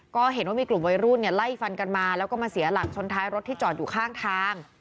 ก็เห็นว่ามีกลุ่มวัยรุ่นเนี่ยไล่ฟันกันมาแล้วก็มาเสียหลักชนท้ายรถที่จอดอยู่ข้างทาง